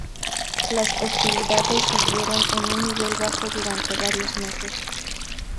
Las hostilidades siguieron en un nivel bajo durante varios meses.